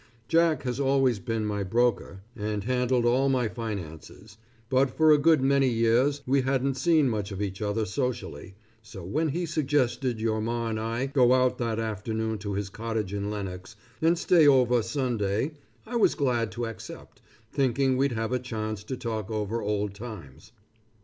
Jack has always been my broker and handled all my finances, but for a good many years we hadn't seen much of each other socially, so when he suggested your Ma and I go out that afternoon to his cottage in Lenox, and stay over Sunday, I was glad to accept, thinking we'd have a chance to talk over old times.